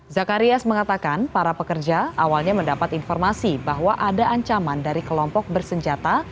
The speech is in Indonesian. zakarias mengatakan para pekerja awalnya mendapat informasi bahwa ada ancaman dari kelompok bersenjata